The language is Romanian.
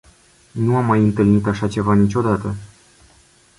Nu am mai întâlnit așa ceva niciodată.